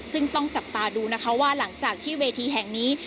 ซึ่งต้องจับตาดูนะคะว่าหลังจากที่เวทีแห่งนี้